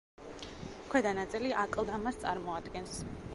ქვედა ნაწილი აკლდამას წარმოადგენს.